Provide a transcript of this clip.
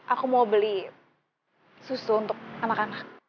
aku mau beli susu untuk anak anak